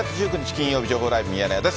金曜日、情報ライブミヤネ屋です。